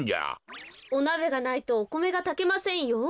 おなべがないとおこめがたけませんよ。